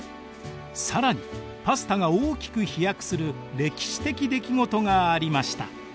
更にパスタが大きく飛躍する歴史的出来事がありました。